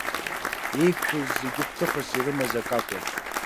Еиқәшәоз зегьы гәҭыхас ирымаз акы акәын.